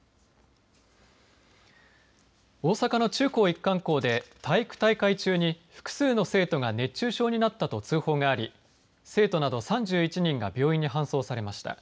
大阪の中高一貫校で体育大会中に複数の生徒が熱中症になったと通報があり生徒など３１人が病院に搬送されました。